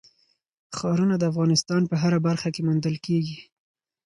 ښارونه د افغانستان په هره برخه کې موندل کېږي.